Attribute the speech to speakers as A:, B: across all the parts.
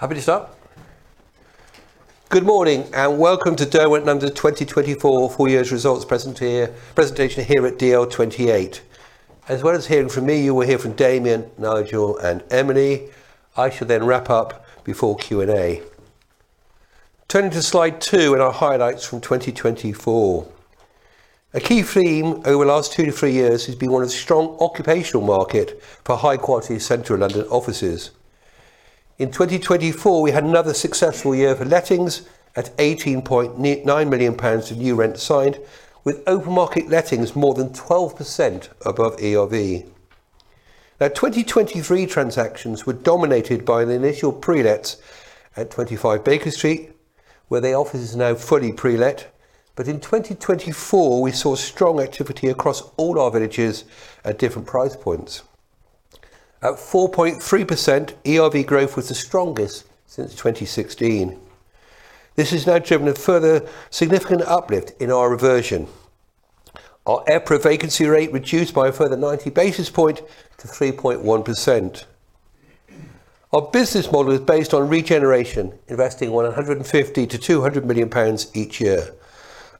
A: Happy to start. Good morning and welcome to Derwent London 2024 Full Year Results Presentation here at DL/28. As well as hearing from me, you will hear from Damian, Nigel, and Emily. I shall then wrap up before Q&A. Turning to slide two and our highlights from 2024, a key theme over the last two to three years has been one of the strong occupational markets for high-quality central London offices. In 2024, we had another successful year for lettings at 18.9 million pounds of new rents signed, with open market lettings more than 12% above ERV. Now, 2023 transactions were dominated by the initial pre-lets at 25 Baker Street, where the office is now fully pre-let. But in 2024, we saw strong activity across all our villages at different price points. At 4.3%, ERV growth was the strongest since 2016. This has now driven a further significant uplift in our reversion. Our overall vacancy rate reduced by a further 90 basis points to 3.1%. Our business model is based on regeneration, investing 150 million-200 million pounds each year.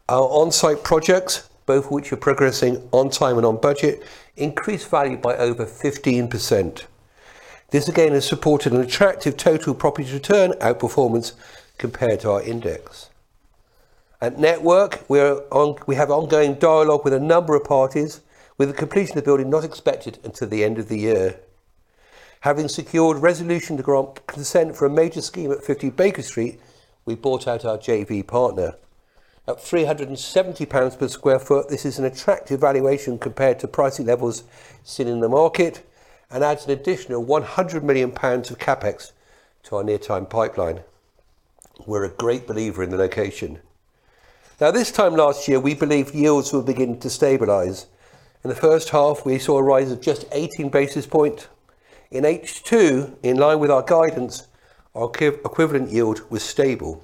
A: Our on-site projects, both of which are progressing on time and on budget, increased value by over 15%. This again has supported an attractive total property return outperformance compared to our index. At Network, we have ongoing dialogue with a number of parties, with the completion of the building not expected until the end of the year. Having secured resolution to grant consent for a major scheme at 50 Baker Street, we bought out our JV partner. At 370 pounds per sq ft, this is an attractive valuation compared to pricing levels seen in the market and adds an additional 100 million pounds of CapEx to our near-term pipeline. We're a great believer in the location. Now, this time last year, we believed yields would begin to stabilize. In the first half, we saw a rise of just 18 basis points. In H2, in line with our guidance, our equivalent yield was stable.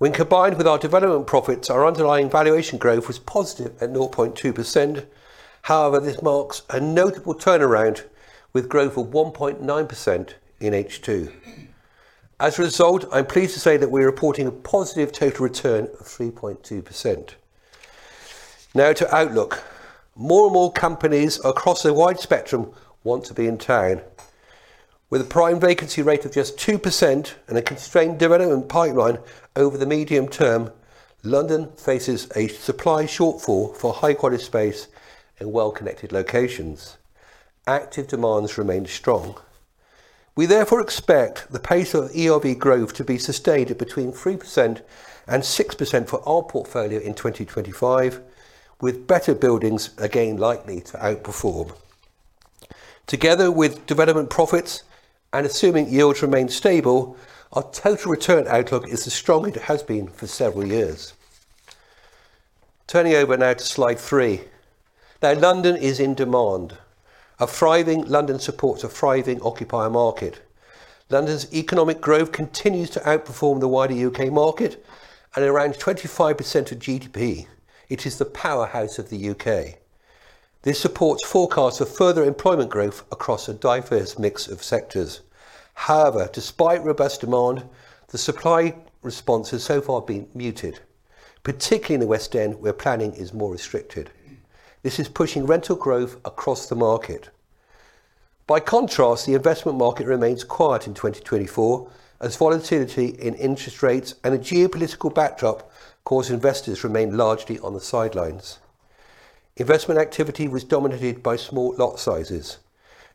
A: When combined with our development profits, our underlying valuation growth was positive at 0.2%. However, this marks a notable turnaround with growth of 1.9% in H2. As a result, I'm pleased to say that we're reporting a positive total return of 3.2%. Now, to outlook, more and more companies across the wide spectrum want to be in town. With a prime vacancy rate of just 2% and a constrained development pipeline over the medium term, London faces a supply shortfall for high-quality space and well-connected locations. Active demands remain strong. We therefore expect the pace of ERV growth to be sustained at between 3% and 6% for our portfolio in 2025, with better buildings again likely to outperform. Together with development profits and assuming yields remain stable, our total return outlook is as strong as it has been for several years. Turning over now to slide three. Now, London is in demand. A thriving London supports a thriving occupier market. London's economic growth continues to outperform the wider U.K. market at around 25% of GDP. It is the powerhouse of the U.K. This supports forecasts for further employment growth across a diverse mix of sectors. However, despite robust demand, the supply response has so far been muted, particularly in the West End, where planning is more restricted. This is pushing rental growth across the market. By contrast, the investment market remains quiet in 2024, as volatility in interest rates and a geopolitical backdrop cause investors to remain largely on the sidelines. Investment activity was dominated by small lot sizes.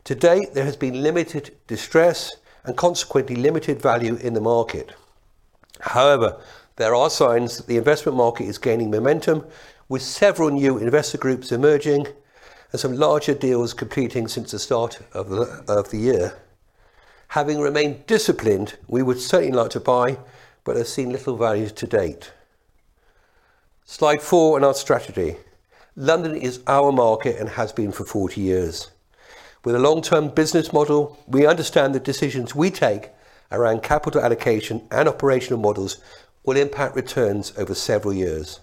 A: To date, there has been limited distress and consequently limited value in the market. However, there are signs that the investment market is gaining momentum, with several new investor groups emerging and some larger deals completing since the start of the year. Having remained disciplined, we would certainly like to buy, but have seen little value to date. Slide four in our strategy. London is our market and has been for 40 years. With a long-term business model, we understand the decisions we take around capital allocation and operational models will impact returns over several years.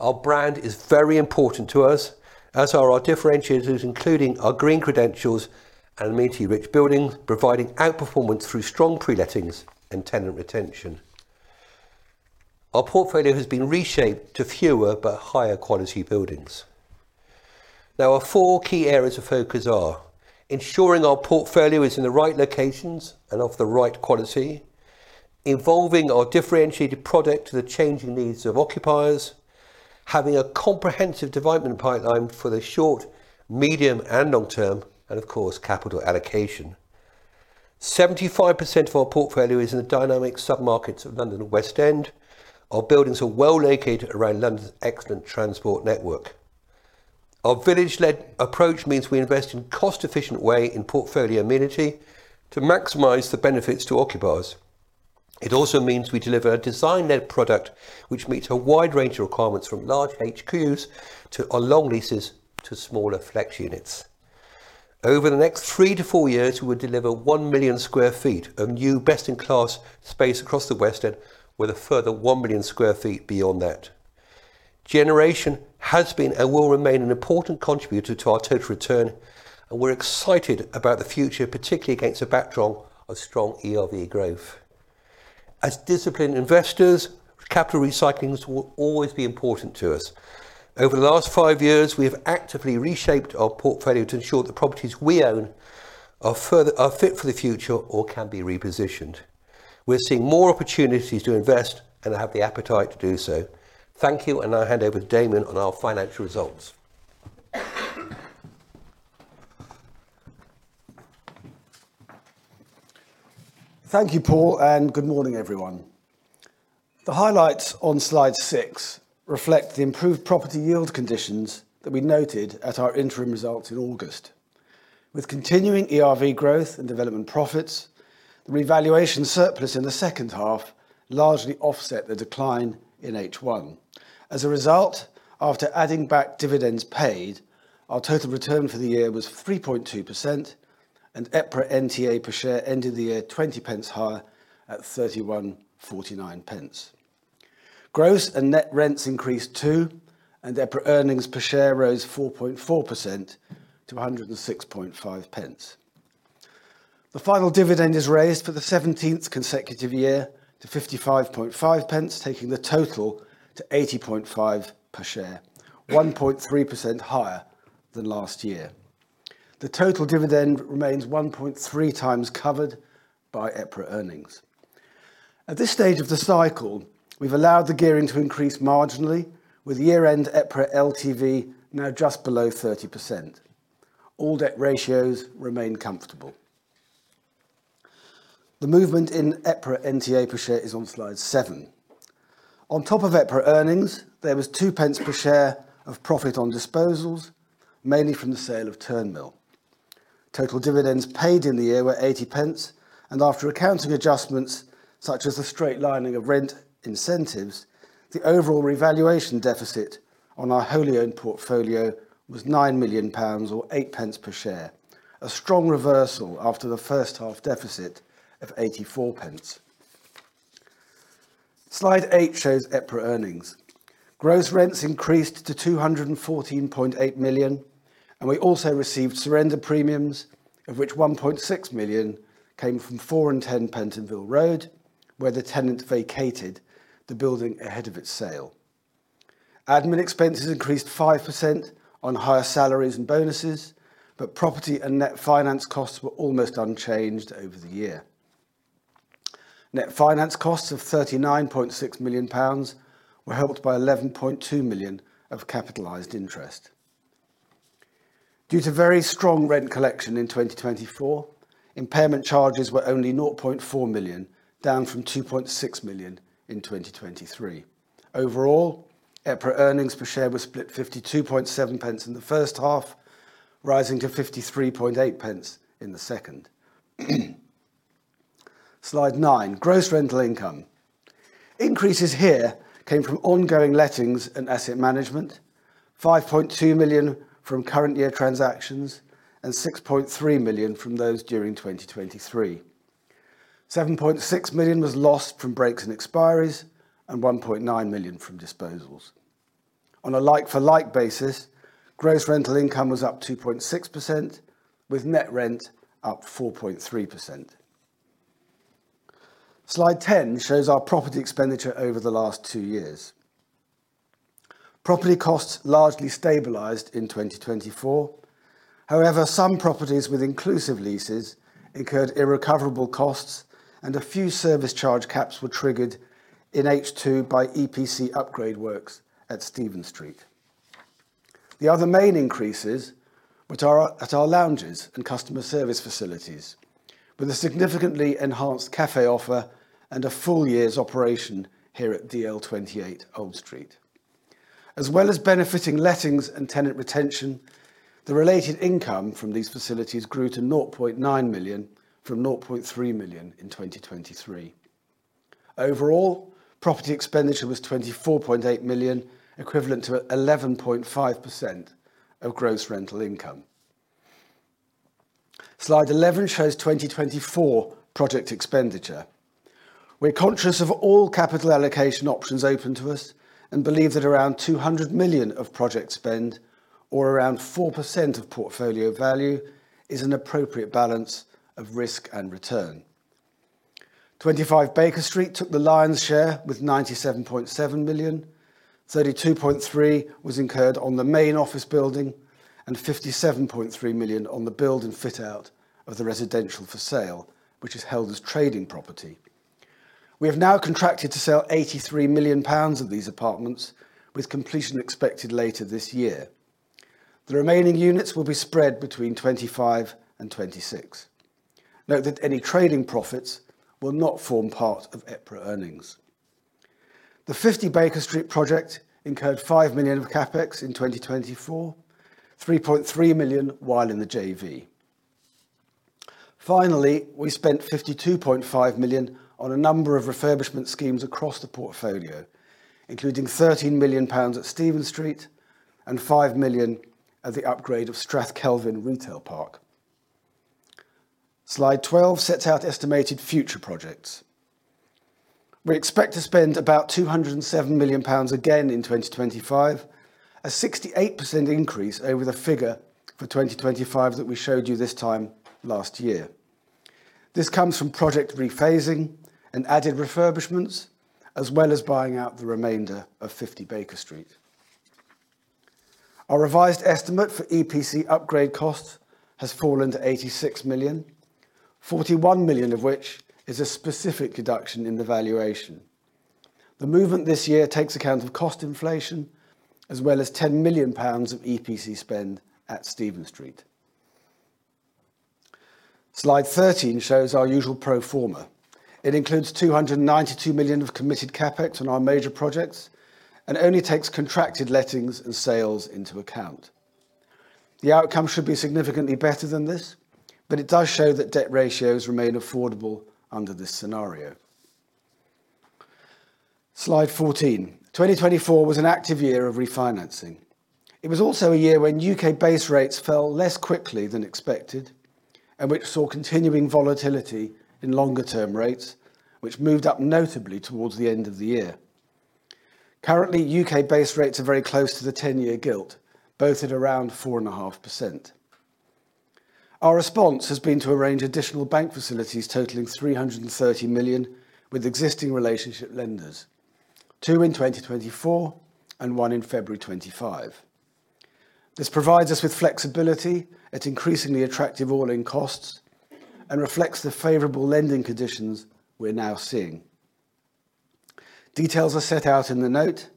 A: Our brand is very important to us, as are our differentiators, including our green credentials and amenity-rich buildings, providing outperformance through strong pre-lettings and tenant retention. Our portfolio has been reshaped to fewer but higher quality buildings. Now, our four key areas of focus are ensuring our portfolio is in the right locations and of the right quality, involving our differentiated product to the changing needs of occupiers, having a comprehensive development pipeline for the short, medium, and long term, and of course, capital allocation. 75% of our portfolio is in the dynamic sub-markets of the West End. Our buildings are well located around London's excellent transport network. Our village-led approach means we invest in a cost-efficient way in portfolio amenity to maximize the benefits to occupiers. It also means we deliver a design-led product which meets a wide range of requirements from large HQs to our long leases to smaller flex units. Over the next three to four years, we will deliver 1 million sq ft of new best-in-class space across the West End, with a further 1 million sq ft beyond that. Generation has been and will remain an important contributor to our total return, and we're excited about the future, particularly against a backdrop of strong ERV growth. As disciplined investors, capital recycling will always be important to us. Over the last five years, we have actively reshaped our portfolio to ensure that the properties we own are fit for the future or can be repositioned. We're seeing more opportunities to invest and have the appetite to do so. Thank you, and I hand over to Damian on our financial results.
B: Thank you, Paul, and good morning, everyone. The highlights on slide six reflect the improved property yield conditions that we noted at our interim results in August. With continuing ERV growth and development profits, the revaluation surplus in the second half largely offset the decline in H1. As a result, after adding back dividends paid, our total return for the year was 3.2%, and EPRA NTA per share ended the year 0.2 higher at 31.49. Gross and net rents increased too, and EPRA earnings per share rose 4.4% to 1.065. The final dividend is raised for the 17th consecutive year to 0.555, taking the total to 0.805 per share, 1.3% higher than last year. The total dividend remains 1.3 times covered by EPRA earnings. At this stage of the cycle, we've allowed the gearing to increase marginally, with year-end EPRA LTV now just below 30%. All debt ratios remain comfortable. The movement in EPRA NTA per share is on slide seven. On top of EPRA earnings, there was 0.02 per share of profit on disposals, mainly from the sale of Turnmill. Total dividends paid in the year were 0.8, and after accounting adjustments such as the straightlining of rent incentives, the overall revaluation deficit on our wholly owned portfolio was 9 million pounds or 0.08 per share, a strong reversal after the first half deficit of 0.84. Slide eight shows EPRA earnings. Gross rents increased to 214.8 million, and we also received surrender premiums, of which 1.6 million came from 410 Pentonville Road, where the tenant vacated the building ahead of its sale. Admin expenses increased 5% on higher salaries and bonuses, but property and net finance costs were almost unchanged over the year. Net finance costs of 39.6 million pounds were helped by 11.2 million of capitalized interest. Due to very strong rent collection in 2024, impairment charges were only 0.4 million, down from 2.6 million in 2023. Overall, EPRA earnings per share were split 0.527 in the first half, rising to 0.538 in the second. Slide nine, gross rental income. Increases here came from ongoing lettings and asset management, 5.2 million from current year transactions, and 6.3 million from those during 2023. 7.6 million was lost from breaks and expiries, and 1.9 million from disposals. On a like-for-like basis, gross rental income was up 2.6%, with net rent up 4.3%. Slide 10 shows our property expenditure over the last two years. Property costs largely stabilized in 2024. However, some properties with inclusive leases incurred irrecoverable costs, and a few service charge caps were triggered in H2 by EPC upgrade works at Stephen Street. The other main increases were at our lounges and customer service facilities, with a significantly enhanced café offer and a full year's operation here at DL/28 Old Street. As well as benefiting lettings and tenant retention, the related income from these facilities grew to 0.9 million from 0.3 million in 2023. Overall, property expenditure was 24.8 million, equivalent to 11.5% of gross rental income. Slide 11 shows 2024 project expenditure. We're conscious of all capital allocation options open to us and believe that around 200 million of project spend, or around 4% of portfolio value, is an appropriate balance of risk and return. 25 Baker Street took the lion's share with 97.7 million. 32.3 million was incurred on the main office building and 57.3 million on the build and fit out of the residential for sale, which is held as trading property. We have now contracted to sell 83 million pounds of these apartments, with completion expected later this year. The remaining units will be spread between 2025 and 2026. Note that any trading profits will not form part of EPRA Earnings. The 50 Baker Street project incurred 5 million of CapEx in 2024, 3.3 million while in the JV. Finally, we spent 52.5 million on a number of refurbishment schemes across the portfolio, including 13 million pounds at Stephen Street and 5 million at the upgrade of Strathkelvin Retail Park. Slide 12 sets out estimated future projects. We expect to spend about 207 million pounds again in 2025, a 68% increase over the figure for 2025 that we showed you this time last year. This comes from project rephasing and added refurbishments, as well as buying out the remainder of 50 Baker Street. Our revised estimate for EPC upgrade costs has fallen to 86 million, 41 million of which is a specific deduction in the valuation. The movement this year takes account of cost inflation, as well as 10 million pounds of EPC spend at Stephen Street. Slide 13 shows our usual pro forma. It includes 292 million of committed CapEx on our major projects and only takes contracted lettings and sales into account. The outcome should be significantly better than this, but it does show that debt ratios remain affordable under this scenario. Slide 14. 2024 was an active year of refinancing. It was also a year when U.K. base rates fell less quickly than expected and which saw continuing volatility in longer-term rates, which moved up notably towards the end of the year. Currently, U.K. base rates are very close to the 10-year Gilt, both at around 4.5%. Our response has been to arrange additional bank facilities totaling 330 million with existing relationship lenders, two in 2024 and one in February 2025. This provides us with flexibility at increasingly attractive all-in costs and reflects the favorable lending conditions we're now seeing. Details are set out in the note.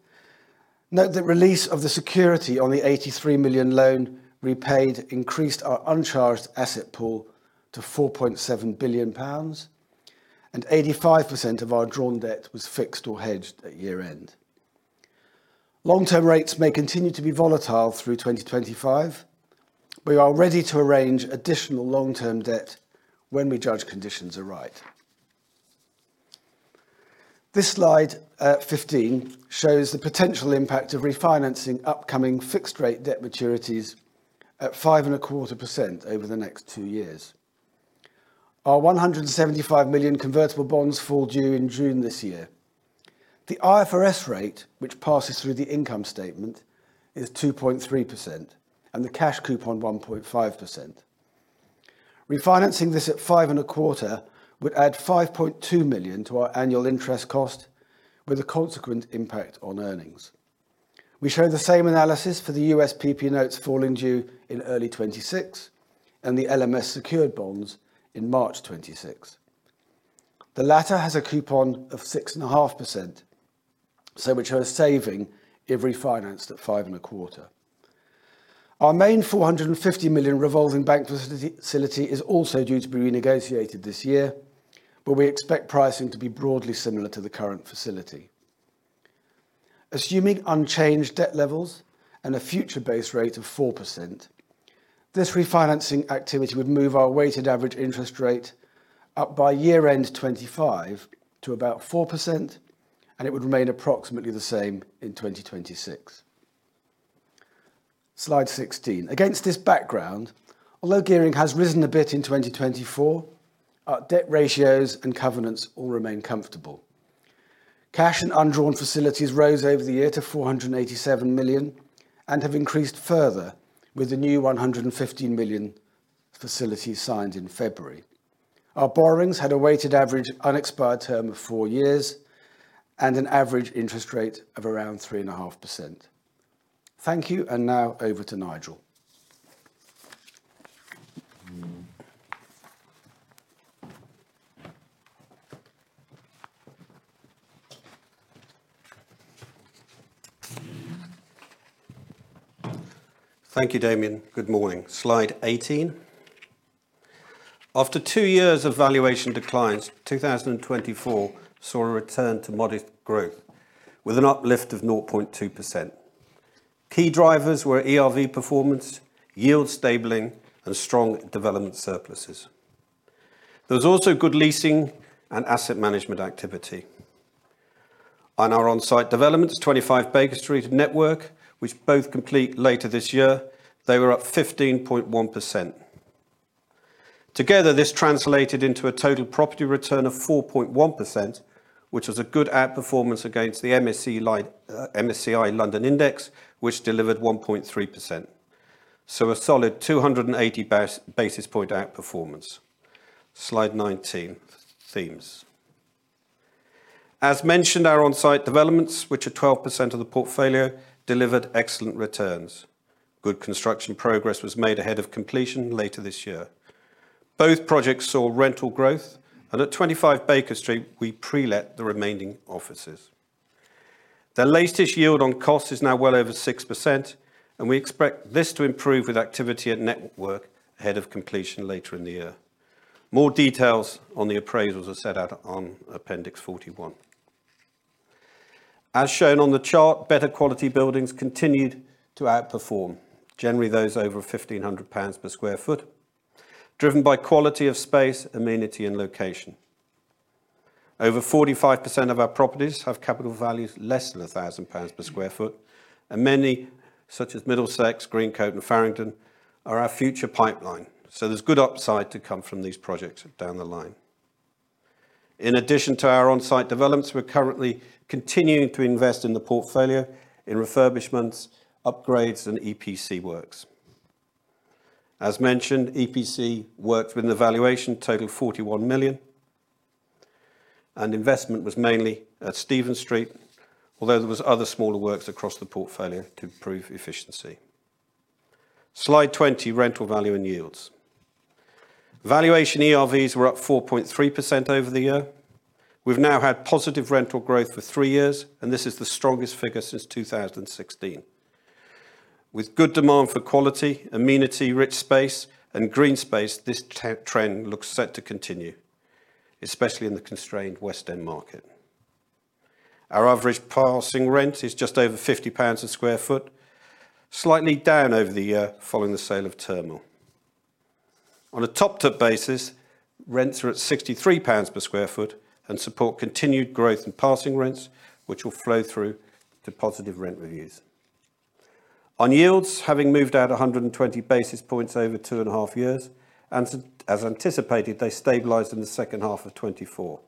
B: Note that release of the security on the 83 million loan repaid increased our uncharged asset pool to 4.7 billion pounds, and 85% of our drawn debt was fixed or hedged at year-end. Long-term rates may continue to be volatile through 2025, but we are ready to arrange additional long-term debt when we judge conditions are right. This Slide 15 shows the potential impact of refinancing upcoming fixed-rate debt maturities at 5.25% over the next two years. Our 175 million convertible bonds fall due in June this year. The IFRS rate, which passes through the income statement, is 2.3%, and the cash coupon 1.5%. Refinancing this at 5.25% would add 5.2 million to our annual interest cost, with a consequent impact on earnings. We show the same analysis for the USPP notes falling due in early 2026 and the LMS secured bonds in March 2026. The latter has a coupon of 6.5%, so we show a saving if refinanced at 5.25%. Our main 450 million revolving bank facility is also due to be renegotiated this year, but we expect pricing to be broadly similar to the current facility. Assuming unchanged debt levels and a future base rate of 4%, this refinancing activity would move our weighted average interest rate up by year-end 2025 to about 4%, and it would remain approximately the same in 2026. Slide 16. Against this background, although gearing has risen a bit in 2024, our debt ratios and covenants all remain comfortable. Cash and undrawn facilities rose over the year to 487 million and have increased further with the new 115 million facilities signed in February. Our borrowings had a weighted average unexpired term of four years and an average interest rate of around 3.5%. Thank you, and now over to Nigel.
C: Thank you, Damian. Good morning. Slide 18. After two years of valuation declines, 2024 saw a return to modest growth with an uplift of 0.2%. Key drivers were ERV performance, yield stabilization, and strong development surpluses. There was also good leasing and asset management activity. On our on-site developments, 25 Baker Street, Network, which both complete later this year, they were up 15.1%. Together, this translated into a total property return of 4.1%, which was a good outperformance against the MSCI London Index, which delivered 1.3%. So, a solid 280 basis point outperformance. Slide 19, themes. As mentioned, our on-site developments, which are 12% of the portfolio, delivered excellent returns. Good construction progress was made ahead of completion later this year. Both projects saw rental growth, and at 25 Baker Street, we pre-let the remaining offices. Their latest yield on cost is now well over 6%, and we expect this to improve with activity at Network ahead of completion later in the year. More details on the appraisals are set out on Appendix 41. As shown on the chart, better quality buildings continued to outperform, generally those over 1,500 pounds per sq ft, driven by quality of space, amenity, and location. Over 45% of our properties have capital values less than 1,000 pounds per sq ft, and many, such as Middlesex, Greencoat, and Farringdon, are our future pipeline. So, there's good upside to come from these projects down the line. In addition to our on-site developments, we're currently continuing to invest in the portfolio in refurbishments, upgrades, and EPC works. As mentioned, EPC works within the valuation totaled 41 million, and investment was mainly at Stephen Street, although there were other smaller works across the portfolio to prove efficiency. Slide 20, rental value and yields. Valuation ERVs were up 4.3% over the year. We've now had positive rental growth for three years, and this is the strongest figure since 2016. With good demand for quality, amenity-rich space, and green space, this trend looks set to continue, especially in the constrained West End market. Our average passing rent is just over 50 pounds per sq ft, slightly down over the year following the sale of Turnmill. On a top-up basis, rents are at 63 pounds per sq ft and support continued growth in passing rents, which will flow through to positive rent reviews. On yields, having moved out 120 basis points over two and a half years, and as anticipated, they stabilized in the second half of 2024.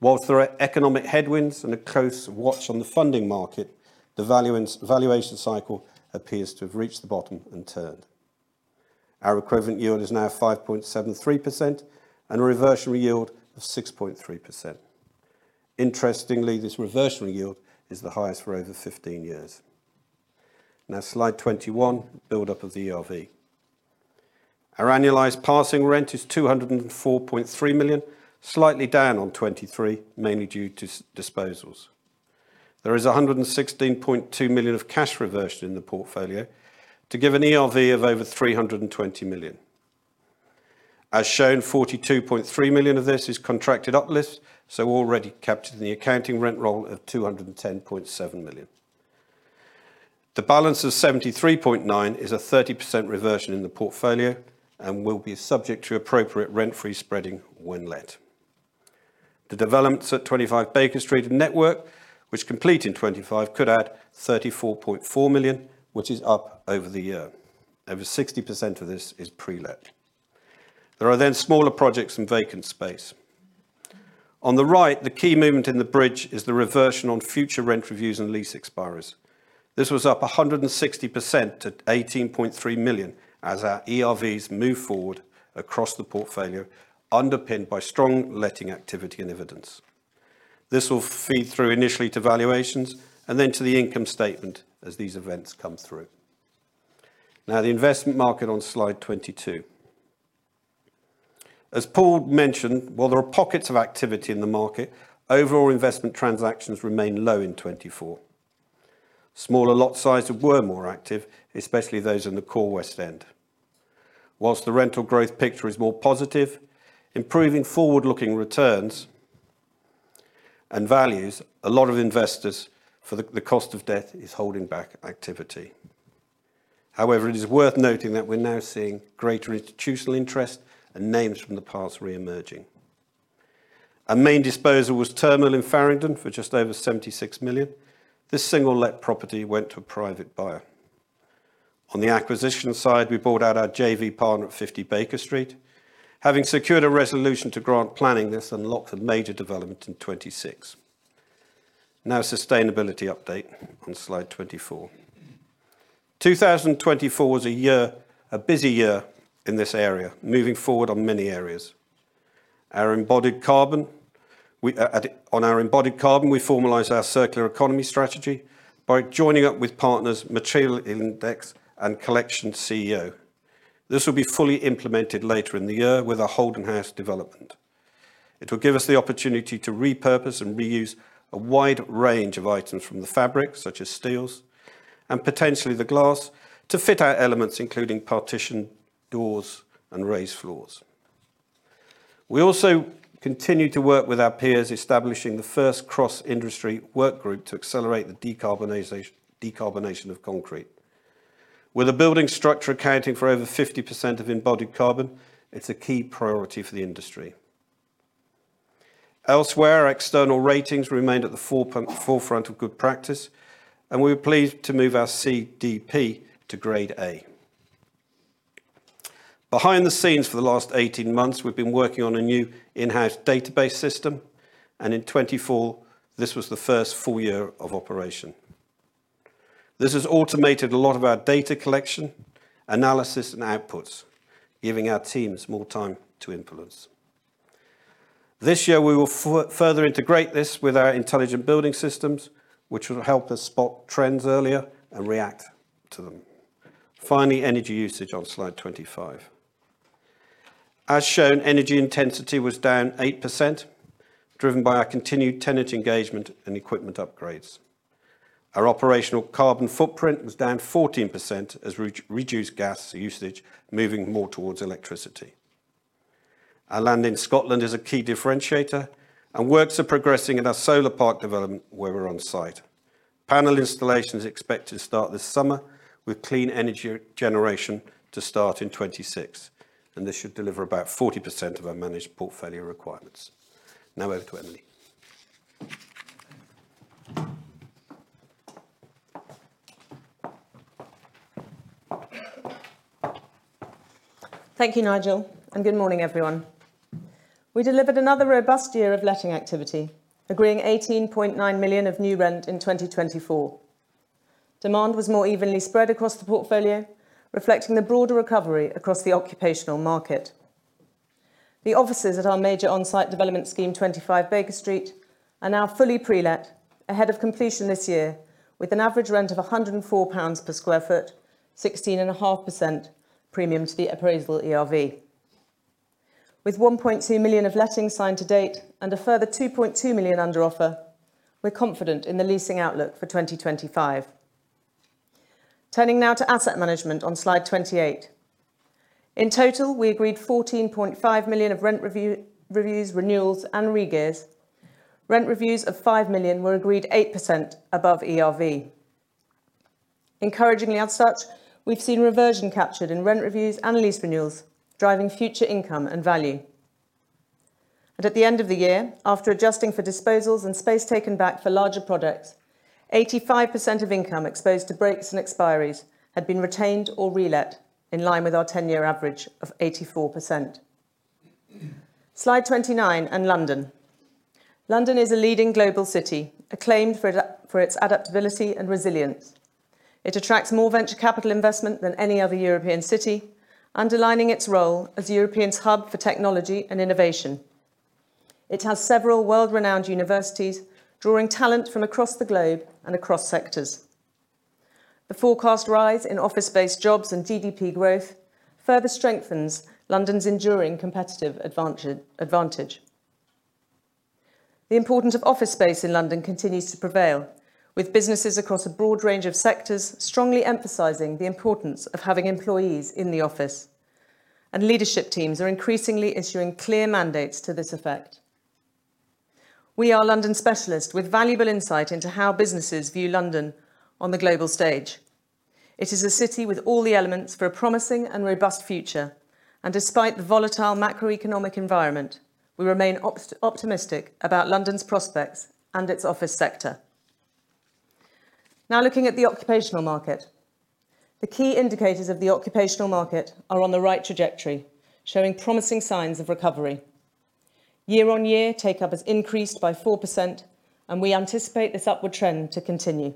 C: While there are economic headwinds and a close watch on the funding market, the valuation cycle appears to have reached the bottom and turned. Our equivalent yield is now 5.73% and a reversion yield of 6.3%. Interestingly, this reversion yield is the highest for over 15 years. Now, slide 21, build-up of the ERV. Our annualized passing rent is 204.3 million, slightly down on 2023, mainly due to disposals. There is 116.2 million of cash reversion in the portfolio to give an ERV of over 320 million. As shown, 42.3 million of this is contracted uplift, so already captured in the accounting rent roll of 210.7 million. The balance of 73.9 million is a 30% reversion in the portfolio and will be subject to appropriate rent-free spreading when let. The developments at 25 Baker Street, Network, which complete in 2025, could add 34.4 million, which is up over the year. Over 60% of this is pre-let. There are then smaller projects and vacant space. On the right, the key movement in the bridge is the reversion on future rent reviews and lease expires. This was up 160% to 18.3 million as our ERVs move forward across the portfolio, underpinned by strong letting activity and evidence. This will feed through initially to valuations and then to the income statement as these events come through. Now, the investment market on slide 22. As Paul mentioned, while there are pockets of activity in the market, overall investment transactions remain low in 2024. Smaller lot sizes were more active, especially those in the core West End. While the rental growth picture is more positive, improving forward-looking returns and values, a lot of investors for the cost of debt is holding back activity. However, it is worth noting that we're now seeing greater institutional interest and names from the past re-emerging. Our main disposal was Turnmill in Farringdon for just over 76 million. This single-let property went to a private buyer. On the acquisition side, we bought out our JV partner at 50 Baker Street, having secured a resolution to grant planning this and lock the major development in 2026. Now, a sustainability update on slide 24. 2024 was a year, a busy year in this area, moving forward on many areas. Our embodied carbon, on our embodied carbon, we formalized our circular economy strategy by joining up with partners, Material Index, and Collecteco. This will be fully implemented later in the year with a Holden House development. It will give us the opportunity to repurpose and reuse a wide range of items from the fabric, such as steel, and potentially the glass, to fit-out elements, including partition doors and raised floors. We also continue to work with our peers, establishing the first cross-industry work group to accelerate the decarbonization of concrete. With a building structure accounting for over 50% of embodied carbon, it's a key priority for the industry. Elsewhere, our external ratings remained at the forefront of good practice, and we were pleased to move our CDP to Grade A. Behind the scenes for the last 18 months, we've been working on a new in-house database system, and in 2024, this was the first full year of operation. This has automated a lot of our data collection, analysis, and outputs, giving our teams more time to influence. This year, we will further integrate this with our intelligent building systems, which will help us spot trends earlier and react to them. Finally, energy usage on slide 25. As shown, energy intensity was down 8%, driven by our continued tenant engagement and equipment upgrades. Our operational carbon footprint was down 14% as we reduced gas usage, moving more towards electricity. Our land in Scotland is a key differentiator, and works are progressing in our solar park development where we're on site. Panel installations are expected to start this summer with clean energy generation to start in 2026, and this should deliver about 40% of our managed portfolio requirements. Now, over to Emily.
D: Thank you, Nigel, and good morning, everyone. We delivered another robust year of letting activity, agreeing 18.9 million of new rent in 2024. Demand was more evenly spread across the portfolio, reflecting the broader recovery across the occupational market. The offices at our major on-site development scheme, 25 Baker Street, are now fully pre-let ahead of completion this year, with an average rent of 104 pounds per sq ft, 16.5% premium to the appraisal ERV. With 1.2 million of letting signed to date and a further 2.2 million under offer, we're confident in the leasing outlook for 2025. Turning now to asset management on slide 28. In total, we agreed 14.5 million of rent reviews, renewals, and re-gears. Rent reviews of 5 million were agreed 8% above ERV. Encouragingly as such, we've seen reversion captured in rent reviews and lease renewals, driving future income and value. At the end of the year, after adjusting for disposals and space taken back for larger projects, 85% of income exposed to breaks and expiries had been retained or re-let in line with our 10-year average of 84%. Slide 29 and London. London is a leading global city, acclaimed for its adaptability and resilience. It attracts more venture capital investment than any other European city, underlining its role as Europeans' hub for technology and innovation. It has several world-renowned universities, drawing talent from across the globe and across sectors. The forecast rise in office-based jobs and GDP growth further strengthens London's enduring competitive advantage. The importance of office space in London continues to prevail, with businesses across a broad range of sectors strongly emphasizing the importance of having employees in the office, and leadership teams are increasingly issuing clear mandates to this effect. We are London specialists with valuable insight into how businesses view London on the global stage. It is a city with all the elements for a promising and robust future, and despite the volatile macroeconomic environment, we remain optimistic about London's prospects and its office sector. Now, looking at the occupational market, the key indicators of the occupational market are on the right trajectory, showing promising signs of recovery. Year-on-year take-up has increased by 4%, and we anticipate this upward trend to continue.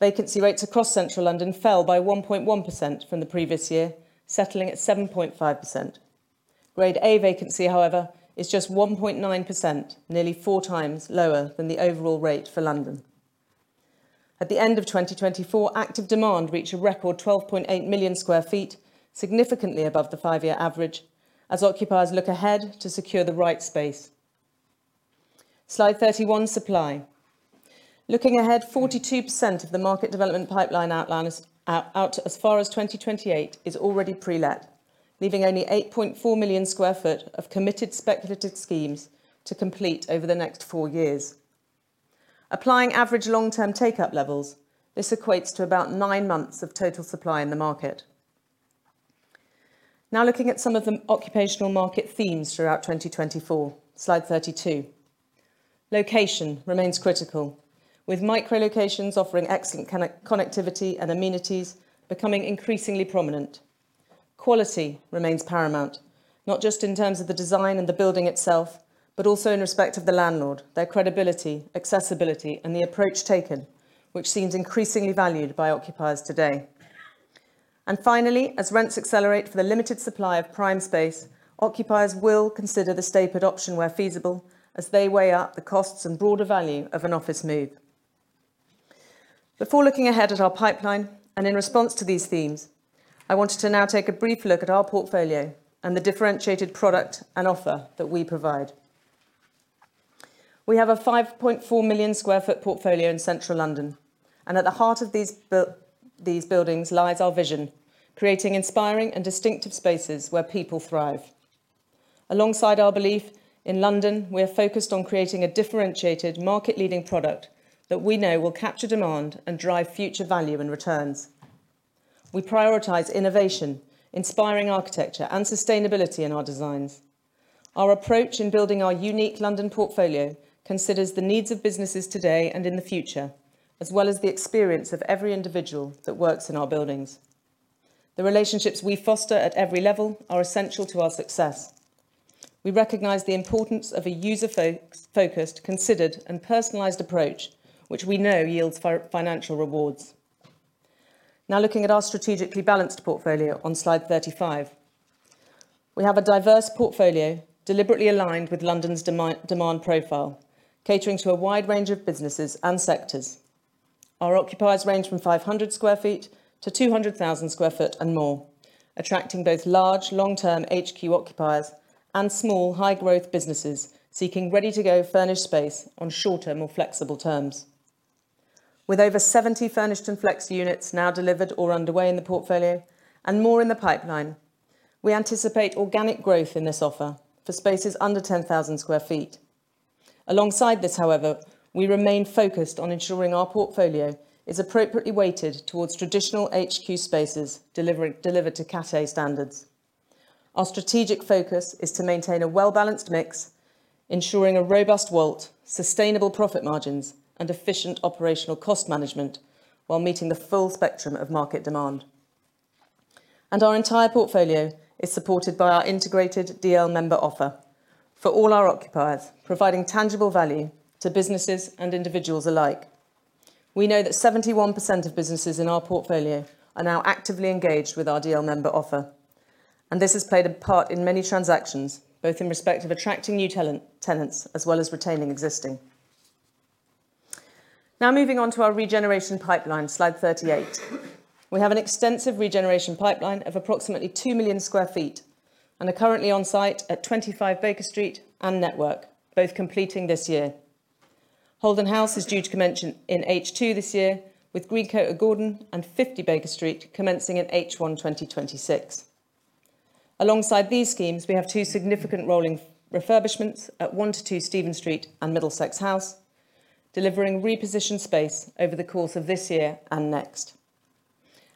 D: Vacancy rates across central London fell by 1.1% from the previous year, settling at 7.5%. Grade A vacancy, however, is just 1.9%, nearly four times lower than the overall rate for London. At the end of 2024, active demand reached a record 12.8 million sq ft, significantly above the five-year average, as occupiers look ahead to secure the right space. Slide 31, supply. Looking ahead, 42% of the market development pipeline out as far as 2028 is already pre-let, leaving only 8.4 million sq ft of committed speculative schemes to complete over the next four years. Applying average long-term take-up levels, this equates to about nine months of total supply in the market. Now, looking at some of the occupational market themes throughout 2024, slide 32. Location remains critical, with micro-locations offering excellent connectivity and amenities becoming increasingly prominent. Quality remains paramount, not just in terms of the design and the building itself, but also in respect of the landlord, their credibility, accessibility, and the approach taken, which seems increasingly valued by occupiers today. And finally, as rents accelerate for the limited supply of prime space, occupiers will consider the stay-put option where feasible, as they weigh out the costs and broader value of an office move. Before looking ahead at our pipeline and in response to these themes, I wanted to now take a brief look at our portfolio and the differentiated product and offer that we provide. We have a 5.4 million sq ft portfolio in central London, and at the heart of these buildings lies our vision, creating inspiring and distinctive spaces where people thrive. Alongside our belief in London, we are focused on creating a differentiated, market-leading product that we know will capture demand and drive future value and returns. We prioritize innovation, inspiring architecture, and sustainability in our designs. Our approach in building our unique London portfolio considers the needs of businesses today and in the future, as well as the experience of every individual that works in our buildings. The relationships we foster at every level are essential to our success. We recognize the importance of a user-focused, considered, and personalized approach, which we know yields financial rewards. Now, looking at our strategically balanced portfolio on slide 35, we have a diverse portfolio deliberately aligned with London's demand profile, catering to a wide range of businesses and sectors. Our occupiers range from 500 sq ft-200,000 sq ft and more, attracting both large, long-term HQ occupiers and small, high-growth businesses seeking ready-to-go furnished space on short-term or flexible terms. With over 70 furnished and flex units now delivered or underway in the portfolio and more in the pipeline, we anticipate organic growth in this offer for spaces under 10,000 sq ft. Alongside this, however, we remain focused on ensuring our portfolio is appropriately weighted towards traditional HQ spaces delivered to Cat A standards. Our strategic focus is to maintain a well-balanced mix, ensuring a robust WAULT, sustainable profit margins, and efficient operational cost management while meeting the full spectrum of market demand, and our entire portfolio is supported by our integrated DL/Member offer for all our occupiers, providing tangible value to businesses and individuals alike. We know that 71% of businesses in our portfolio are now actively engaged with our DL/Member offer, and this has played a part in many transactions, both in respect of attracting new tenants as well as retaining existing. Now, moving on to our regeneration pipeline, slide 38. We have an extensive regeneration pipeline of approximately 2 million sq ft and are currently on site at 25 Baker Street and Network, both completing this year. Holden House is due to commence in H2 this year, with Greencoat & Gordon and 50 Baker Street commencing in H1 2026. Alongside these schemes, we have two significant rolling refurbishments at 1-2 Stephen Street and Middlesex House, delivering repositioned space over the course of this year and next.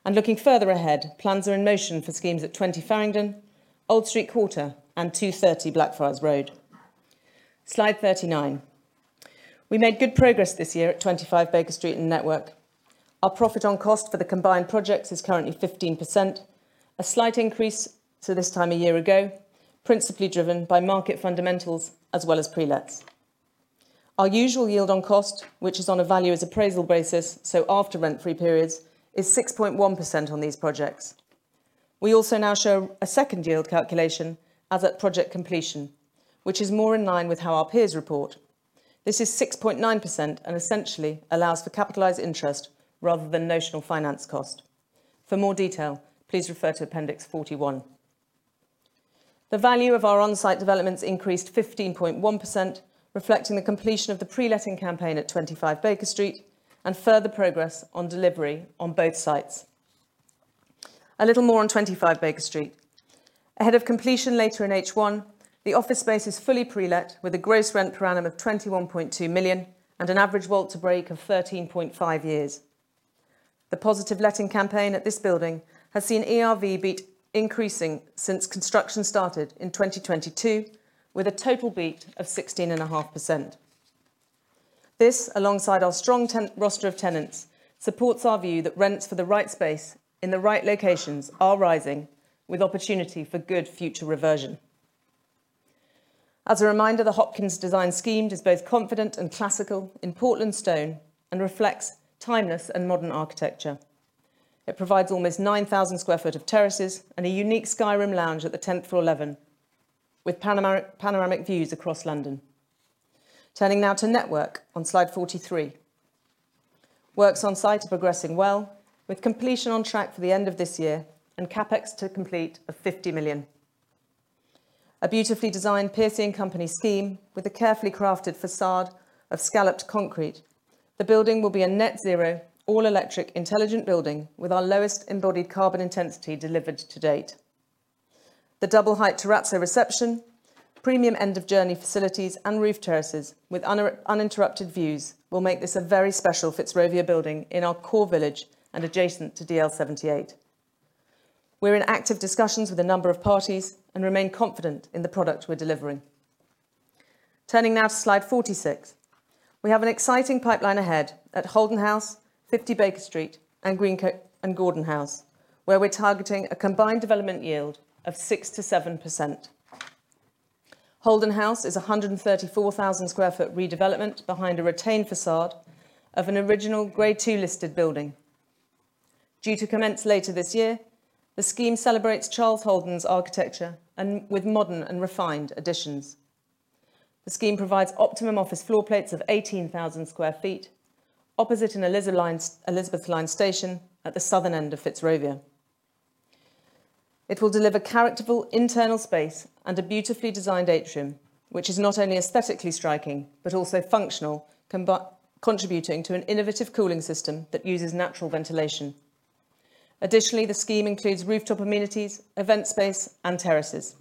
D: And looking further ahead, plans are in motion for schemes at 20 Farringdon, Old Street Quarter, and 230 Blackfriars Road. Slide 39. We made good progress this year at 25 Baker Street and Network. Our profit on cost for the combined projects is currently 15%, a slight increase to this time a year ago, principally driven by market fundamentals as well as pre-lets. Our usual yield on cost, which is on a valuer's appraisal basis, so after rent-free periods, is 6.1% on these projects. We also now show a second yield calculation as at project completion, which is more in line with how our peers report. This is 6.9% and essentially allows for capitalized interest rather than notional finance cost. For more detail, please refer to Appendix 41. The value of our on-site developments increased 15.1%, reflecting the completion of the pre-letting campaign at 25 Baker Street and further progress on delivery on both sites. A little more on 25 Baker Street. Ahead of completion later in H1, the office space is fully pre-let with a gross rent per annum of 21.2 million and an average WAULT to break of 13.5 years. The positive letting campaign at this building has seen ERV beating increasing since construction started in 2022, with a total beat of 16.5%. This, alongside our strong roster of tenants, supports our view that rents for the right space in the right locations are rising, with opportunity for good future reversion. As a reminder, the Hopkins design scheme is both confident and classical in Portland stone and reflects timeless and modern architecture. It provides almost 9,000 sq ft of terraces and a unique skyline lounge at the 10th floor level, with panoramic views across London. Turning now to Network on slide 43. Works on site are progressing well, with completion on track for the end of this year and CapEx to complete of 50 million. A beautifully designed Piercy&Company scheme with a carefully crafted facade of scalloped concrete, the building will be a net zero, all-electric intelligent building with our lowest embodied carbon intensity delivered to date. The double-height terrazzo reception, premium end-of-journey facilities, and roof terraces with uninterrupted views will make this a very special Fitzrovia building in our core village and adjacent to DL/78. We're in active discussions with a number of parties and remain confident in the product we're delivering. Turning now to slide 46, we have an exciting pipeline ahead at Holden House, 50 Baker Street, Greencoat & Gordon House, where we're targeting a combined development yield of 6%-7%. Holden House is a 134,000 sq ft redevelopment behind a retained facade of an original Grade II listed building. Due to commence later this year, the scheme celebrates Charles Holden's architecture and with modern and refined additions. The scheme provides optimum office floor plates of 18,000 sq ft opposite an Elizabeth Line station at the southern end of Fitzrovia. It will deliver characterful internal space and a beautifully designed atrium, which is not only aesthetically striking, but also functional, contributing to an innovative cooling system that uses natural ventilation. Additionally, the scheme includes rooftop amenities, event space, and terraces.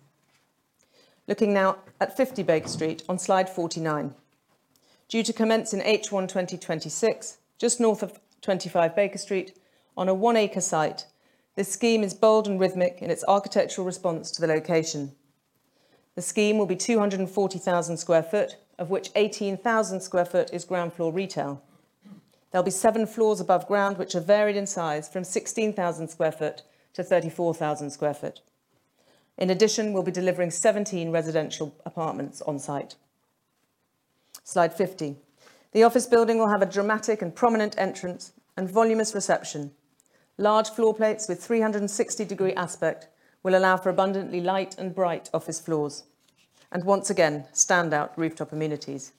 D: Looking now at 50 Baker Street on Slide 49. Due to commence in H1 2026, just north of 25 Baker Street on a one-acre site, this scheme is bold and rhythmic in its architectural response to the location. The scheme will be 240,000 sq ft, of which 18,000 sq ft is ground floor retail. There'll be seven floors above ground, which are varied in size from 16,000 sq ft to 34,000 sq ft. In addition, we'll be delivering 17 residential apartments on site. Slide 50. The office building will have a dramatic and prominent entrance and voluminous reception. Large floor plates with 360-degree aspect will allow for abundantly light and bright office floors and once again standout rooftop amenities.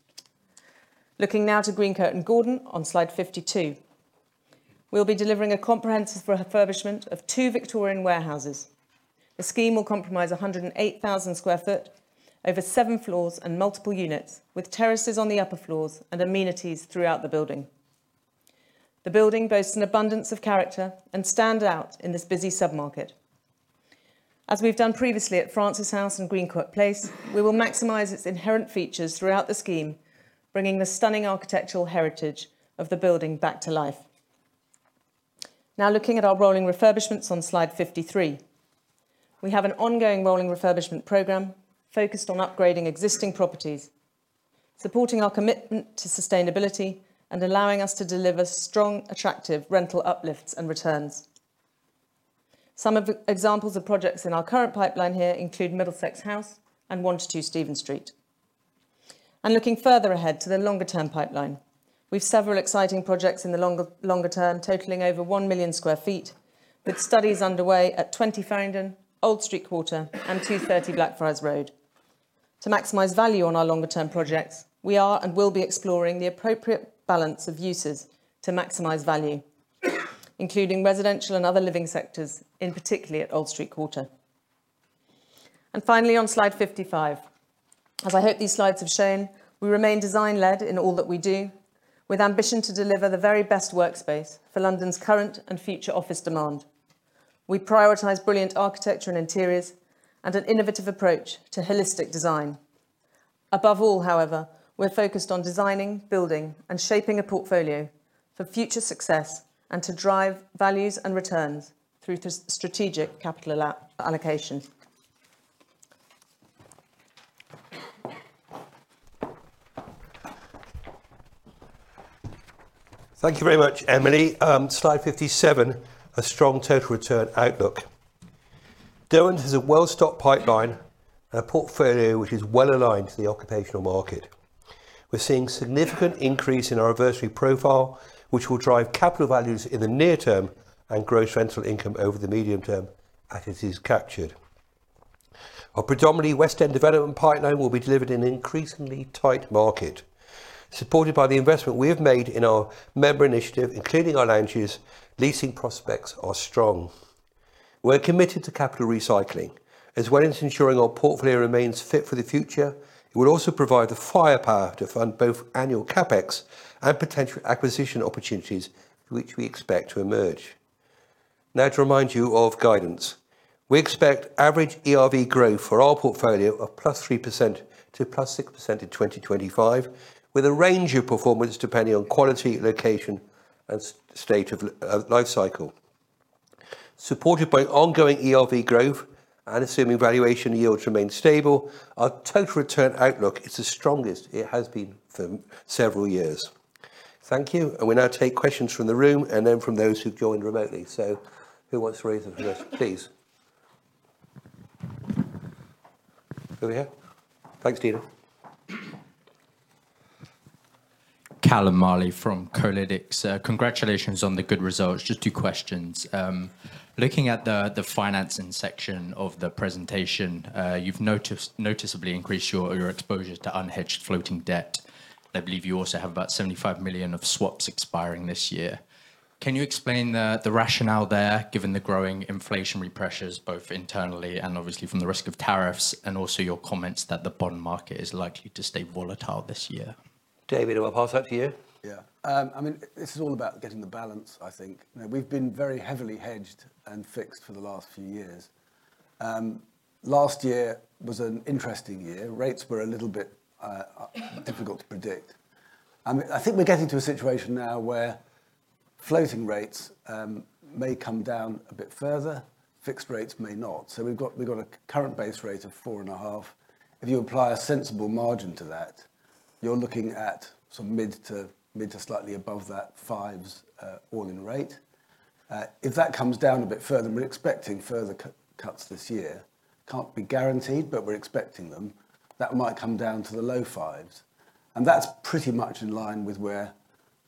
D: Looking now to Greencoat & Gordon on slide 52. We'll be delivering a comprehensive refurbishment of two Victorian warehouses. The scheme will comprise 108,000 sq ft over seven floors and multiple units with terraces on the upper floors and amenities throughout the building. The building boasts an abundance of character and stands out in this busy submarket. As we've done previously at Francis House and Greencoat Place, we will maximize its inherent features throughout the scheme, bringing the stunning architectural heritage of the building back to life. Now, looking at our rolling refurbishments on slide 53, we have an ongoing rolling refurbishment program focused on upgrading existing properties, supporting our commitment to sustainability and allowing us to deliver strong, attractive rental uplifts and returns. Some examples of projects in our current pipeline here include Middlesex House and 1-2 Stephen Street. And looking further ahead to the longer-term pipeline, we have several exciting projects in the longer-term totaling over 1 million sq ft, with studies underway at 20 Farringdon, Old Street Quarter, and 230 Blackfriars Road. To maximize value on our longer-term projects, we are and will be exploring the appropriate balance of uses to maximize value, including residential and other living sectors, in particular at Old Street Quarter. And finally, on slide 55, as I hope these slides have shown, we remain design-led in all that we do, with ambition to deliver the very best workspace for London's current and future office demand. We prioritize brilliant architecture and interiors and an innovative approach to holistic design. Above all, however, we're focused on designing, building, and shaping a portfolio for future success and to drive values and returns through strategic capital allocation.
A: Thank you very much, Emily. Slide 57, a strong total return outlook. Derwent has a well-stocked pipeline and a portfolio which is well aligned to the occupational market. We're seeing a significant increase in our reversionary profile, which will drive capital values in the near term and gross rental income over the medium term as it is captured. Our predominantly West End development pipeline will be delivered in an increasingly tight market. Supported by the investment we have made in our member initiative, including our lounges, leasing prospects are strong. We're committed to capital recycling. As well as ensuring our portfolio remains fit for the future, it will also provide the firepower to fund both annual CapEx and potential acquisition opportunities which we expect to emerge. Now, to remind you of guidance, we expect average ERV growth for our portfolio of +3% to +6% in 2025, with a range of performance depending on quality, location, and state of lifecycle. Supported by ongoing ERV growth and assuming valuation yields remain stable, our total return outlook is the strongest it has been for several years. Thank you, and we now take questions from the room and then from those who've joined remotely. So who wants to raise a hand? Please. Over here. Thanks, Dina.
E: Callum Marley from Kolytics. Congratulations on the good results. Just two questions. Looking at the financing section of the presentation, you've noticeably increased your exposure to unhedged floating debt. I believe you also have about 75 million of swaps expiring this year. Can you explain the rationale there, given the growing inflationary pressures, both internally and obviously from the risk of tariffs, and also your comments that the bond market is likely to stay volatile this year?
A: Damian, I'll pass that to you.
B: Yeah. I mean, this is all about getting the balance, I think. We've been very heavily hedged and fixed for the last few years. Last year was an interesting year. Rates were a little bit difficult to predict. I think we're getting to a situation now where floating rates may come down a bit further, fixed rates may not. So we've got a current base rate of four and a half. If you apply a sensible margin to that, you're looking at some mid to slightly above that fives all-in rate. If that comes down a bit further, we're expecting further cuts this year. Can't be guaranteed, but we're expecting them. That might come down to the low fives, and that's pretty much in line with where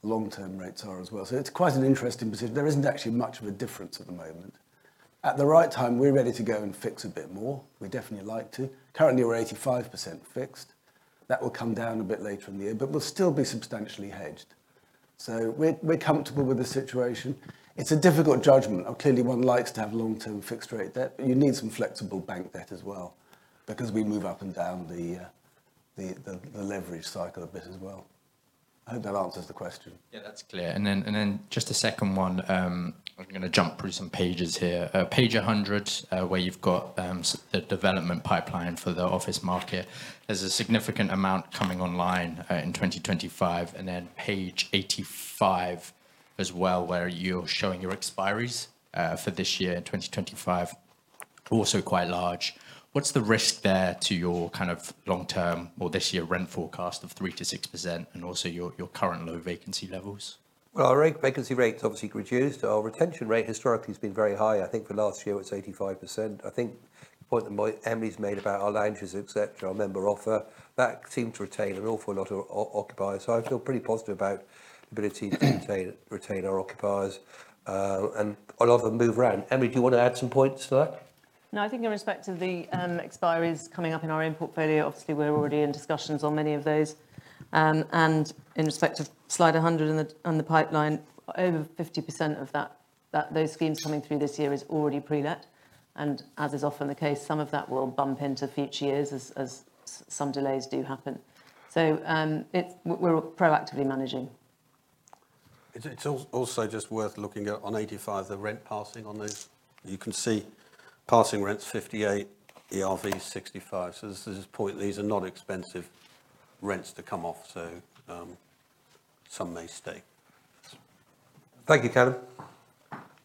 B: long-term rates are as well. So it's quite an interesting position. There isn't actually much of a difference at the moment. At the right time, we're ready to go and fix a bit more. We'd definitely like to. Currently, we're 85% fixed. That will come down a bit later in the year, but we'll still be substantially hedged. So we're comfortable with the situation. It's a difficult judgment. Clearly, one likes to have long-term fixed rate debt, but you need some flexible bank debt as well because we move up and down the leverage cycle a bit as well. I hope that answers the question.
E: Yeah, that's clear, and then just a second one. I'm going to jump through some pages here. Page 100, where you've got the development pipeline for the office market. There's a significant amount coming online in 2025. And then page 85 as well, where you're showing your expiries for this year in 2025. Also quite large. What's the risk there to your kind of long-term or this year rent forecast of 3%-6% and also your current low vacancy levels?
A: Well, our vacancy rate's obviously reduced. Our retention rate historically has been very high. I think for last year, it's 85%. I think the point that Emily's made about our lounges, etc., our member offer, that seems to retain an awful lot of occupiers. So I feel pretty positive about the ability to retain our occupiers. And I'd rather move around. Emily, do you want to add some points to that?
D: No, I think in respect to the expiries coming up in our end portfolio, obviously we're already in discussions on many of those. And in respect of slide 100 and the pipeline, over 50% of those schemes coming through this year is already pre-let. And as is often the case, some of that will bump into future years as some delays do happen. So we're proactively managing.
C: It's also just worth looking at on 85, the rent passing on those. You can see passing rents 58, ERV 65. So this is a point. These are not expensive rents to come off, so some may stay.
A: Thank you, Callum.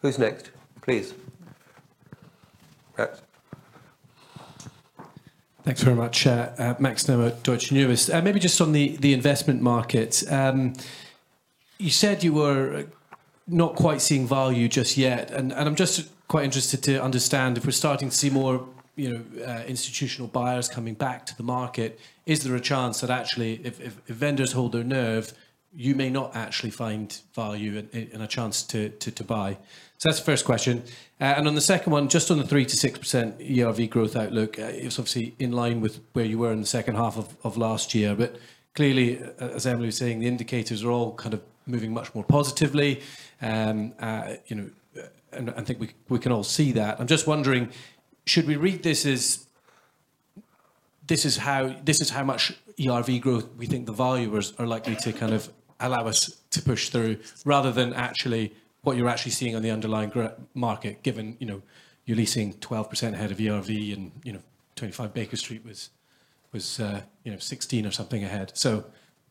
A: Who's next? Please.
F: Thanks very much. Max Nimmo at Deutsche Numis. Maybe just on the investment markets. You said you were not quite seeing value just yet. And I'm just quite interested to understand if we're starting to see more institutional buyers coming back to the market, is there a chance that actually, if vendors hold their nerve, you may not actually find value and a chance to buy? So that's the first question. And on the second one, just on the 3%-6% ERV growth outlook, it's obviously in line with where you were in the second half of last year. But clearly, as Emily was saying, the indicators are all kind of moving much more positively. And I think we can all see that. I'm just wondering, should we read this as this is how much ERV growth we think the valuers are likely to kind of allow us to push through rather than actually what you're actually seeing on the underlying market, given you're leasing 12% ahead of ERV and 25 Baker Street was 16 or something ahead? So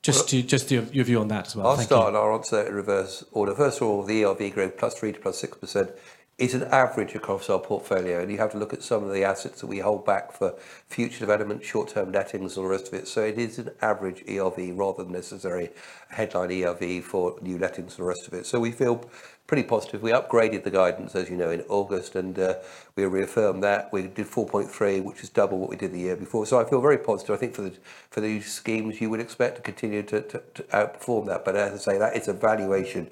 F: just your view on that as well.
A: I'll start in our opposite reverse order. First of all, the ERV growth +3% to +6% is an average across our portfolio. And you have to look at some of the assets that we hold back for future development, short-term lettings and the rest of it. So it is an average ERV rather than necessary headline ERV for new lettings and the rest of it. So we feel pretty positive. We upgraded the guidance, as you know, in August, and we reaffirmed that. We did 4.3, which is double what we did the year before. So I feel very positive. I think for these schemes, you would expect to continue to outperform that. But as I say, that is a valuation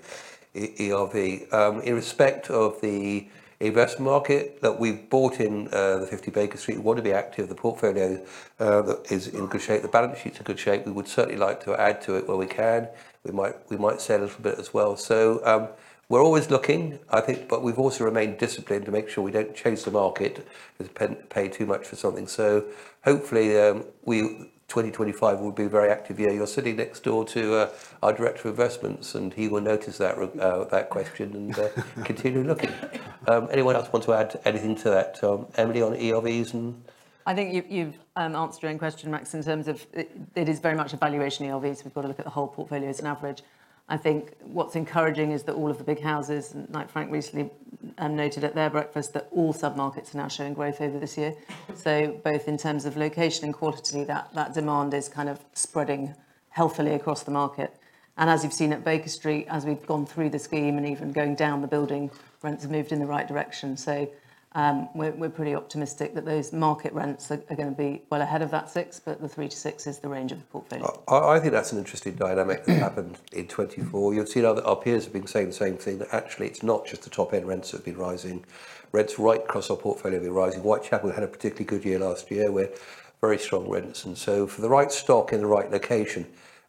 A: ERV. In respect of the investment market that we've bought in the 50 Baker Street, we want to be active in the portfolio that is in good shape. The balance sheet's in good shape. We would certainly like to add to it where we can. We might sell a little bit as well. So we're always looking, I think, but we've also remained disciplined to make sure we don't chase the market and pay too much for something. So hopefully, 2025 will be a very active year. You're sitting next door to our director of investments, and he will notice that question and continue looking. Anyone else want to add anything to that? Emily on ERVs and.
D: I think you've answered your own question, Max, in terms of it is very much a valuation ERV. So we've got to look at the whole portfolio as an average. I think what's encouraging is that all of the big houses, and Knight Frank recently noted at their breakfast, that all submarkets are now showing growth over this year. So both in terms of location and quantity, that demand is kind of spreading healthily across the market. And as you've seen at Baker Street, as we've gone through the scheme and even going down the building, rents have moved in the right direction. So we're pretty optimistic that those market rents are going to be well ahead of that six, but the three to six is the range of the portfolio.
A: I think that's an interesting dynamic that happened in 2024. You've seen our peers have been saying the same thing, that actually it's not just the top-end rents that have been rising. Rents right across our portfolio have been rising. Whitechapel had a particularly good year last year with very strong rents. And so for the right stock in the right location,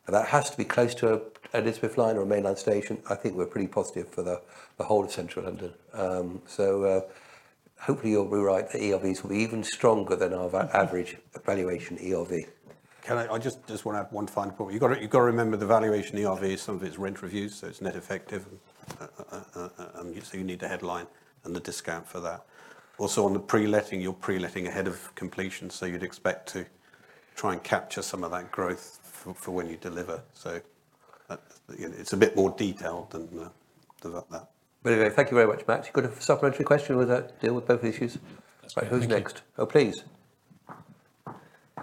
A: that has to be close to Elizabeth Line or mainline station. I think we're pretty positive for the whole of central London. So hopefully our ERVs will be even stronger than our average valuation ERV.
C: I just want to add one final point. You've got to remember the valuation ERV is some of its rent reviews, so it's net effective. And so you need the headline and the discount for that. Also on the pre-letting, you're pre-letting ahead of completion. So you'd expect to try and capture some of that growth for when you deliver. So it's a bit more detailed than that.
A: But anyway, thank you very much, Max. You've got a supplementary question or is that deal with both issues?
F: That's fine.
A: Who's next? Oh, please.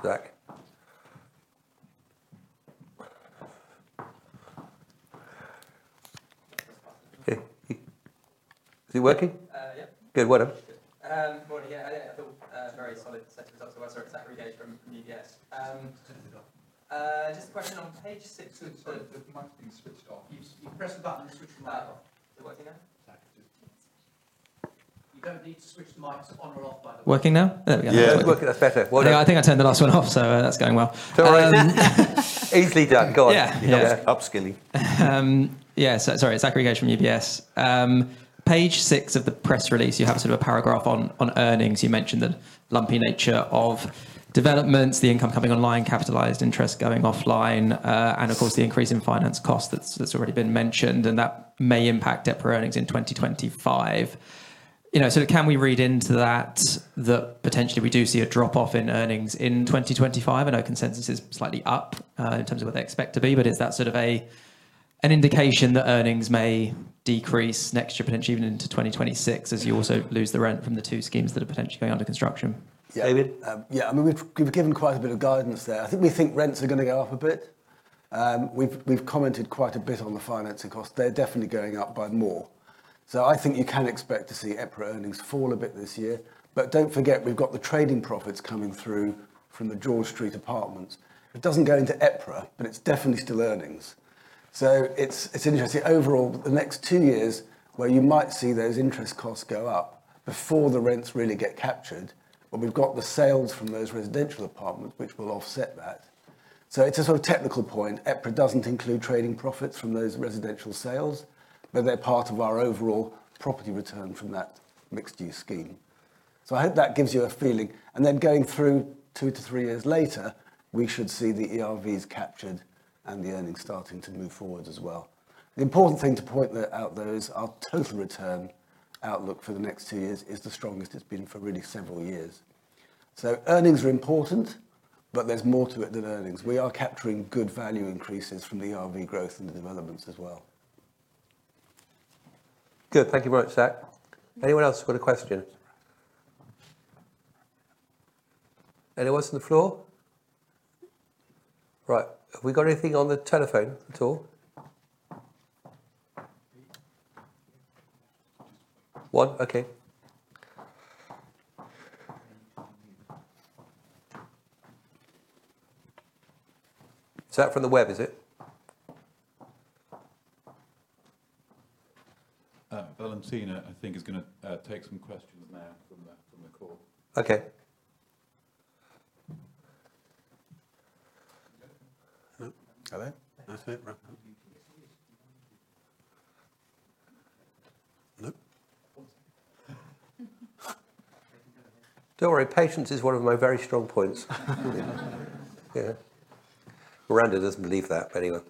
A: Zach. Is it working?
G: Yep.
A: Good. Well done.
G: Good. Good morning. Yeah, I thought a very solid set of results. Sorry, Zachary Gauge from UBS. Just a question on page six of the.
H: The mic's been switched off. You press the button and switch the mic off.
G: Is it working now?
H: You don't need to switch the mic to on or off, by the way.
G: Working now?
A: Yeah, that's better. Well done.
G: Yeah, I think I turned the last one off, so that's going well.
A: Easily done. Go on.
G: Yeah.
C: Upskilling.
G: Yeah, sorry, Zachary Gauge from UBS. Page six of the press release, you have sort of a paragraph on earnings. You mentioned the lumpy nature of developments, the income coming online, capitalized interest going offline, and of course the increase in finance costs that's already been mentioned, and that may impact debt per earnings in 2025. So can we read into that that potentially we do see a drop-off in earnings in 2025? I know consensus is slightly up in terms of what they expect to be, but is that sort of an indication that earnings may decrease next year, potentially even into 2026, as you also lose the rent from the two schemes that are potentially going under construction?
A: Damian?
B: Yeah, I mean, we've given quite a bit of guidance there. I think we think rents are going to go up a bit. We've commented quite a bit on the financing costs. They're definitely going up by more. So I think you can expect to see EPRA earnings fall a bit this year. But don't forget, we've got the trading profits coming through from the George Street apartments. It doesn't go into EPRA, but it's definitely still earnings. So it's interesting. Overall, the next two years where you might see those interest costs go up before the rents really get captured, but we've got the sales from those residential apartments, which will offset that. So it's a sort of technical point. EPRA doesn't include trading profits from those residential sales, but they're part of our overall property return from that mixed-use scheme. So I hope that gives you a feeling, and then going through two-three years later, we should see the ERVs captured and the earnings starting to move forward as well. The important thing to point out, though, is our total return outlook for the next two years is the strongest it's been for really several years. So earnings are important, but there's more to it than earnings. We are capturing good value increases from the ERV growth and the developments as well.
A: Good. Thank you very much, Zach. Anyone else who's got a question? Anyone else on the floor? Right. Have we got anything on the telephone at all? One? Okay. Is that from the web, is it?
I: Valentina, I think, is going to take some questions now from the call.
A: Okay.
I: Hello? Nope.
A: Don't worry. Patience is one of my very strong points. Miranda doesn't believe that, but anyway.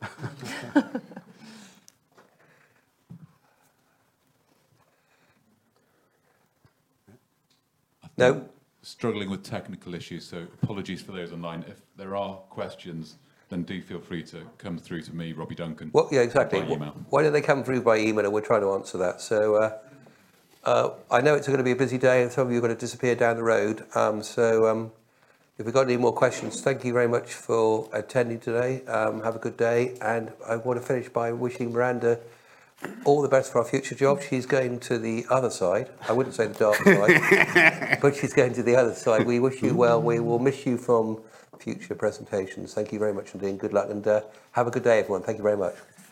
A: No?
I: Struggling with technical issues, so apologies for those online. If there are questions, then do feel free to come through to me, Robert Duncan.
A: Well, yeah, exactly. Why don't they come through by email? We're trying to answer that. So I know it's going to be a busy day. Some of you are going to disappear down the road. So if we've got any more questions, thank you very much for attending today. Have a good day. And I want to finish by wishing Miranda all the best for her future job. She's going to the other side. I wouldn't say the dark side, but she's going to the other side. We wish you well. We will miss you from future presentations. Thank you very much indeed. Good luck. And have a good day, everyone. Thank you very much.